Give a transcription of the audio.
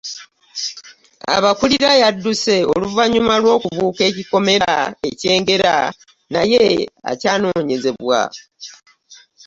Abakulira yadduse oluvannyuma lw'okubuuka ekikomera e kyengera naye akyanoonyezebwa